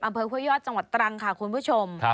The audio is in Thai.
อำเภอห้วยยอดจังหวัดตรังค่ะคุณผู้ชม